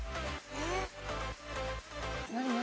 えっ？